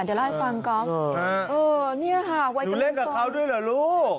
เดี๋ยวล่ายฟังก๊อล์เออเนี่ยฮะดูเล่นกับเขาด้วยเหรอลูก